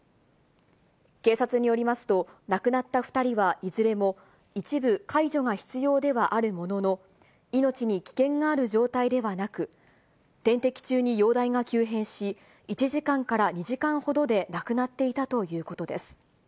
警察によりますと、亡くなった２人はいずれも、一部介助が必要ではあるものの、命に危険がある状態ではなく、点滴中に容体が急変し、１時間から２時間ほどで亡くなっていたということです。